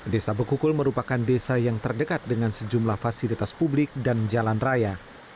desa bekukul merupakan desa yang terdekat dengan sejumlah fasilitas publik dan jalan raya